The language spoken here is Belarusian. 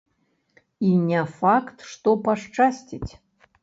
І не факт, што пашчасціць.